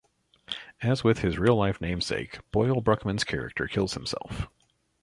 As with his real-life namesake, Boyle's Bruckman character kills himself.